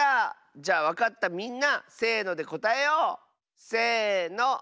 じゃわかったみんなせのでこたえよう！せの。